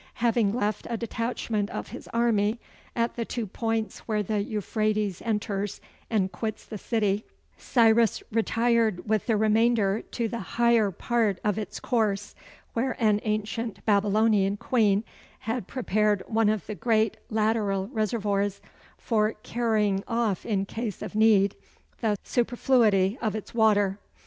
Having left a detachment of his army at the two points where the Euphrates enters and quits the city, Cyrus retired with the remainder to the higher part of its course, where an ancient Babylonian queen had prepared one of the great lateral reservoirs for carrying off in case of need the superfluity of its water.